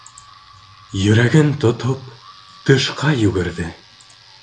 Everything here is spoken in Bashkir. Йөрәген тотоп, тышҡа йүгерҙе.